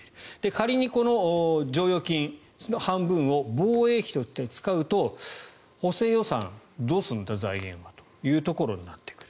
仮にこの剰余金、半分を防衛費として使うと補正予算、どうするんだ財源はということになってくる。